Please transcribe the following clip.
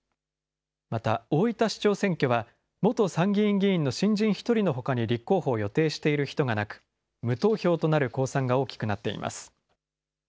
また、大分市長選挙は、元参議院議員の新人１人のほかに立候補を予定している人がなく、無投票となる公算が大きくなっています。